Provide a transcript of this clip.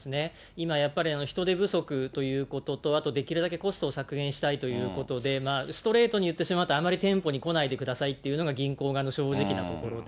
今やっぱり、人手不足ということと、あとできるだけコストを削減したいということで、ストレートに言ってしまうと、あまり店舗に来ないでくださいというのが、銀行側の正直なところで。